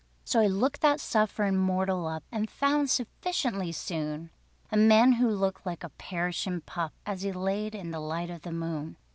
So I looked that sufferin' mortal up, And found, sufficiently soon, A man who looked like a perishin' pup, As he lay in the light of the moon.